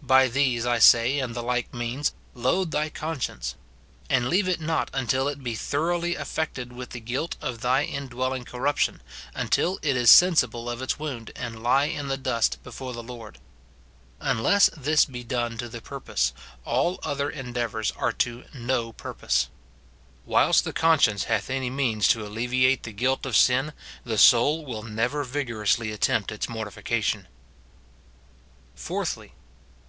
By these, I say, and the like means, load thy conscience ; and leave it not until it be thoroughly affected with the guilt of thy indwelling corruption, until it is sensible of its wound, and lie in the dust before the Lord. Unless this be done to the purpose, all other endeavours are to no purpose. Whilst the conscience hath any means to alle viate the guilt of sin, the soul will never vigorously at tempt its mortification. Fourthly.